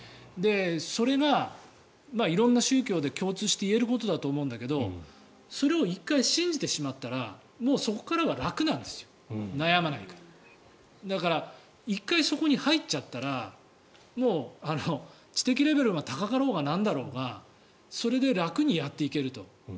それが色んな宗教で共通して言えることなんですがそれを１回信じてしまったらそこからは楽なんです悩まないからだから、１回そこに入っちゃったらもう知的レベルが高かろうがなんだろうがそれで楽にやっていけると。